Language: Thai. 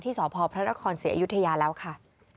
ที่สอบพพระราชคล์ศรีอยุธยาแล้วค่ะ